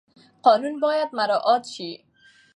قانون باید مراعات شي.